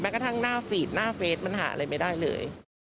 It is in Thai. กระทั่งหน้าฟีดหน้าเฟสมันหาอะไรไม่ได้เลย